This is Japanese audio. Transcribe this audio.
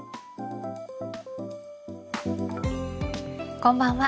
こんばんは。